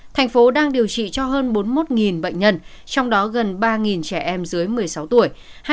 thành phố đang điều trị cho hơn bốn mươi một bệnh nhân trong đó gần ba trẻ em dưới một mươi sáu tuổi